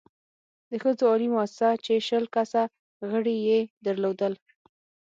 د ښځو عالي مؤسسه چې شل کسه غړې يې درلودل،